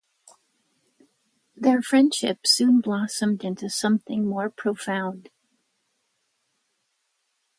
Their friendship soon blossomed into something more profound.